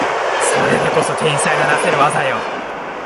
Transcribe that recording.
それでこそ天才のなせる技よ